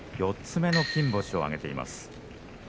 ４つ目の金星を挙げています。